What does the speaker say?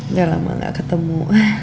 udah lama enggak ketemu